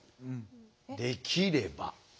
できれば。